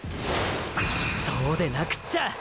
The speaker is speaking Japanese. そうでなくっちゃ！！